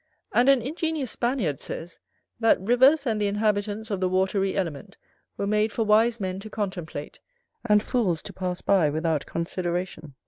And an ingenious Spaniard says, that "rivers and the inhabitants of the watery element were made for wise men to contemplate, and fools to pass by without consideration